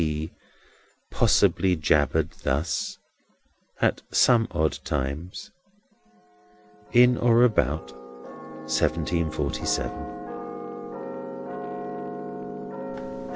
T. Possibly Jabbered Thus, at some odd times, in or about seventeen forty seven.